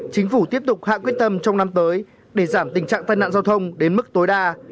chính phủ tiếp tục hạ quyết tâm trong năm tới để giảm tình trạng tai nạn giao thông đến mức tối đa